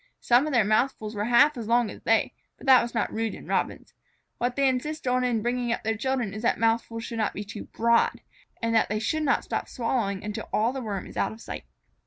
Some of their mouthfuls were half as long as they, but that was not rude in Robins. What they insist on in bringing up their children is that mouthfuls should not be too broad, and that they should not stop swallowing until all the Worm is out of sight.